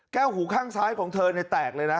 แก้วหูข้างซ้ายของเธอเนี่ยแตกเลยนะ